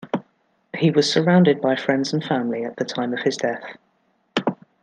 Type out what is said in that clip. He was surrounded by friends and family at the time of his death.